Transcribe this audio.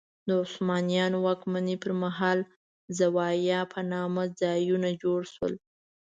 د عثمانیانو واکمنۍ پر مهال زوايا په نامه ځایونه جوړ شول.